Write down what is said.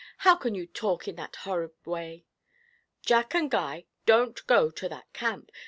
How can you talk in that horrid way? Jack and Guy, don't go to that camp.